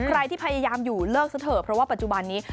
ใครที่พยายามอยู่เลิกซะเถอะเพราะว่าปัจจุบันนี้